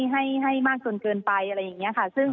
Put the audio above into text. ให้มากจนเกินไปอะไรอย่างนี้ค่ะ